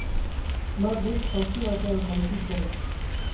Madvig jauzi batean jaiki zen.